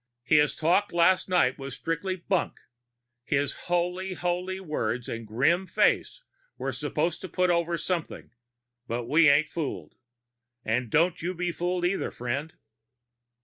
"His talk last night was strictly bunk. His holy holy words and grim face were supposed to put over something, but we ain't fooled and don't you be fooled either, friend!"